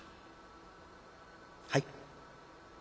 「はい。